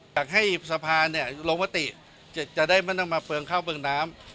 อยากให้สภาลงมติจะได้ไม่ต้องมาเปลืองข้าวเปลืองน้ำ